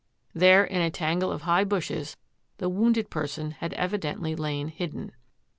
There in a tangle of high bushes the wounded per son had evidently lain hidden.